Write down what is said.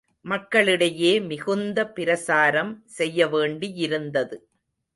மக்களிடையே மிகுந்த பிரசாரம் செய்யவேண்டியிருந்தது.